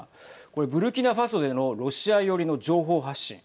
これブルキナファソでのロシア寄りの情報発信。